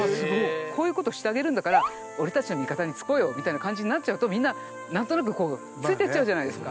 こういうことをしてあげるんだからみたいな感じになっちゃうとみんな何となくこうついていっちゃうじゃないですか。